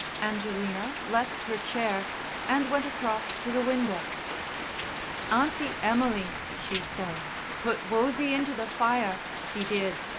Angelina left her chair, and went across to the window. "Auntie Emily," she said, "put Wosie into the fire, she did.